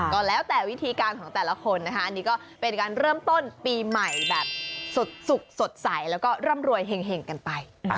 ก็แล้วแต่วิธีการของแต่ละคนนะคะนี่ก็เป็นการเริ่มต้นปีใหม่แบบสดสุขสดใสแล้วก็ร่ำรวยเห็งกันไป